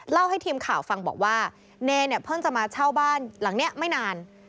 ให้ทีมข่าวฟังบอกว่าเนรเนี่ยเพิ่งจะมาเช่าบ้านหลังนี้ไม่นาน